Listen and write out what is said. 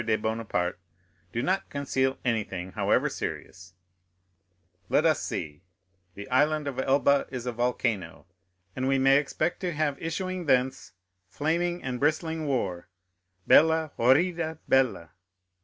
de Bonaparte; do not conceal anything, however serious,—let us see, the Island of Elba is a volcano, and we may expect to have issuing thence flaming and bristling war—bella, horrida bella." M.